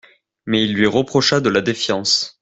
Mais il lui reprocha de la défiance.